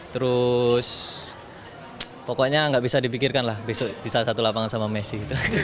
terus pokoknya nggak bisa dipikirkan lah besok bisa satu lapangan sama messi